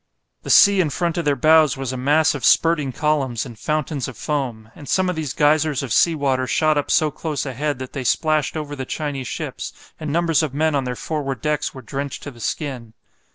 The sea in front of their bows was a mass of spurting columns and fountains of foam, and some of these geysers of sea water shot up so close ahead that they splashed over the Chinese ships, and numbers of men on their forward decks were drenched to the skin.